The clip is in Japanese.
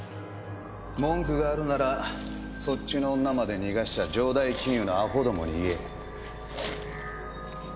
文句があるならそっちの女まで逃がした城代金融のアホどもに言え。